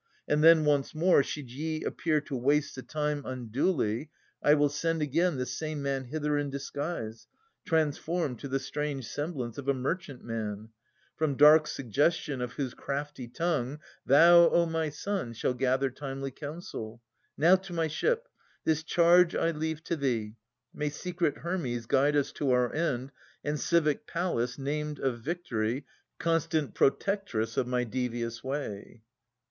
And then once more, should ye appear to waste The time unduly, I will send again This same man hither in disguise, transformed To the strange semblance of a merchantman ; From dark suggestion of whose crafty tongue, Thou, O my son, shalt gather timely counsel. Now to my ship. This charge I leave to thee. May secret Hermes guide us to our end. And civic Pallas, named of victory, Constant protectress of my devious way.